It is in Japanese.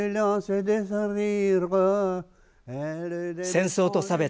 戦争と差別